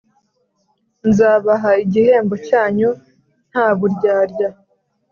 nzabaha igihembo cyanyu nta buryarya,